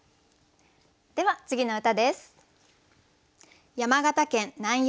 では次の歌です。